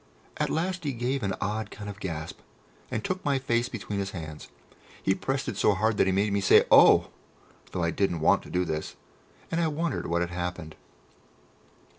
At last he gave an odd kind of gasp, and took my face between his hands. He pressed it so hard that he made me say "O!" though I didn't want to do this, and I wondered what had happened.